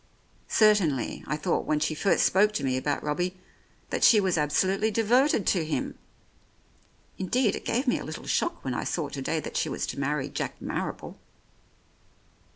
Certainly, I thought, when she first spoke to me about Robbie, that she was absolutely devoted to him. Indeed, it 1 08 The Oriolists gave me a little shock when I saw to day that she was to marry Jack Marrible."